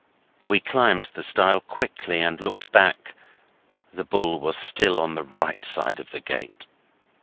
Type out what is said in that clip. We climbed the stile quickly and looked back; the bull was still on the right side of the gate.